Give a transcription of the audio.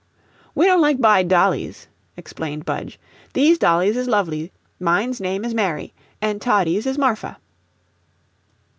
"We don't like buyed dollies," explained Budge. "These dollies is lovely; mine's name is Mary, an' Toddie's is Marfa."